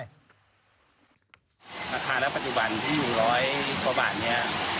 ราคาณปัจจุบันที่อยู่ร้อยกว่าบาทนี้